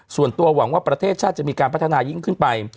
ส่วนตัวหวังว่าประเทศชาติจะมีการพัฒนายิ่งขึ้นไป